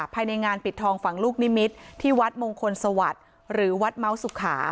ภายในงานปิดทองฝั่งลูกนิมิตรที่วัดมงคลสวัสดิ์หรือวัดเมาสุขา